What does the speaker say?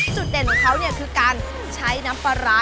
จุดเด่นของเขาเนี่ยคือการใช้น้ำปลาร้า